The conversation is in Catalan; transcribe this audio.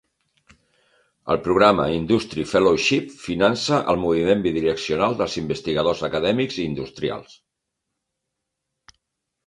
El programa Industry Fellowship finança el moviment bidireccional dels investigadors acadèmics i industrials.